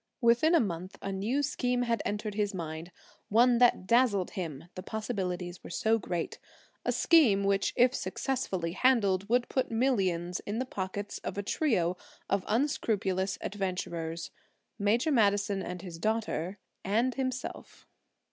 Within a month a new scheme had entered his mind,–one that dazzled him the possibilities were so great, a scheme which if successfully handled would put millions in the pockets of a trio of unscrupulous adventurers,–Major Madison and his daughter and himself.